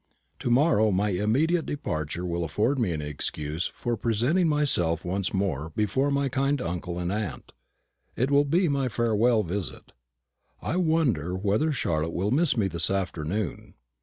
To morrow my immediate departure will afford me an excuse for presenting myself once more before my kind uncle and aunt. It will be my farewell visit. I wonder whether Charlotte will miss me this afternoon.